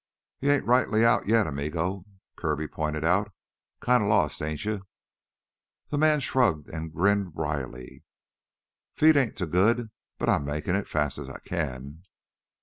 "You ain't rightly out yet, amigo," Kirby pointed out. "Kinda lost, ain't you?" The man shrugged and grinned wryly. "Feet ain't too good. But I'm makin' it, fast as I can."